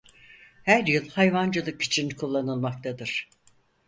Her yıl hayvancılık için kullanılmaktadır.